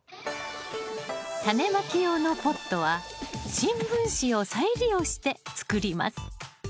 タネまき用のポットは新聞紙を再利用して作ります